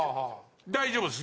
大丈夫です。